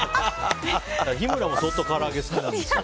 日村も相当から揚げが好きなんですよ。